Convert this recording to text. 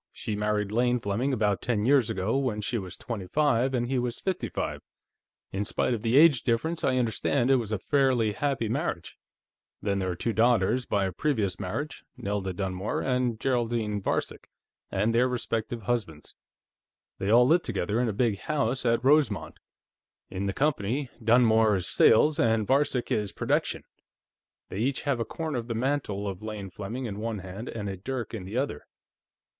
She married Lane Fleming about ten years ago, when she was twenty five and he was fifty five. In spite of the age difference, I understand it was a fairly happy marriage. Then, there are two daughters by a previous marriage, Nelda Dunmore and Geraldine Varcek, and their respective husbands. They all live together, in a big house at Rosemont. In the company, Dunmore is Sales, and Varcek is Production. They each have a corner of the mantle of Lane Fleming in one hand and a dirk in the other.